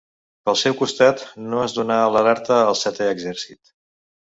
Pel seu costat, no es donà l'alerta al Setè Exèrcit.